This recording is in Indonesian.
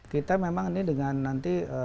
kita memang ini dengan nanti